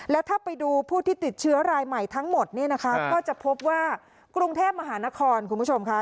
แล้วถ้าไปดูผู้ที่ติดเชื้อรายใหม่ทั้งหมดเนี่ยนะคะก็จะพบว่ากรุงเทพมหานครคุณผู้ชมค่ะ